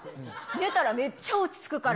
寝たらめっちゃ落ち着くから。